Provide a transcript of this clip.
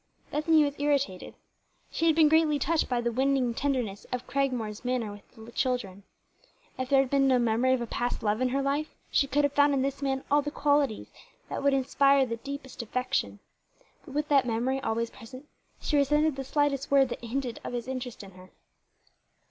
Bethany was irritated. She had been greatly touched by the winning tenderness of Cragmore's manner with the children. If there had been no memory of a past love in her life, she could have found in this man all the qualities that would inspire the deepest affection; but with that memory always present, she resented the slightest word that hinted of his interest in her.